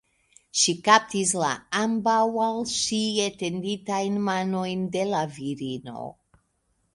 Ŝi kaptis la ambaŭ al ŝi etenditajn manojn de la virino.